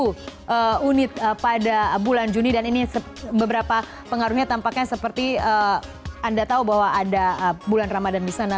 satu unit pada bulan juni dan ini beberapa pengaruhnya tampaknya seperti anda tahu bahwa ada bulan ramadhan di sana